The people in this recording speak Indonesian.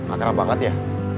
akrab banget ya